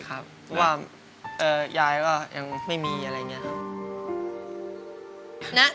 เพราะว่ายายก็ยังไม่มีอะไรอย่างนี้ครับ